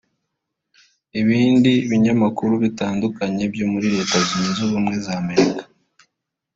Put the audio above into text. Ibindi binyamakuru bitandukanye byo muri Leta Zunze Ubumwe za Amerika